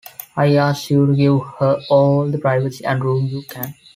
I ask you to give her all the privacy and room you can.